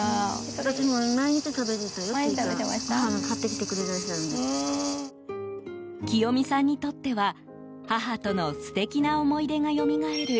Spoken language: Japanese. きよみさんにとっては母との素敵な思い出がよみがえる